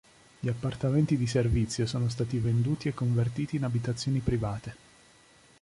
Gli appartamenti di servizio sono stati venduti e convertiti in abitazioni private.